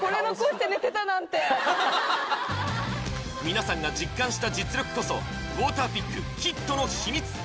みなさんが実感した実力こそウォーターピックヒットの秘密